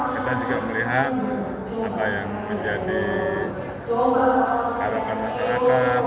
kita juga melihat apa yang menjadi harapan masyarakat